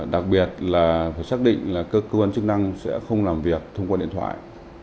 đặc biệt là phải xác định là cơ quan chức năng sẽ không làm việc thông qua điện thoại